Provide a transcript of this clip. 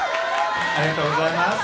ありがとうございます。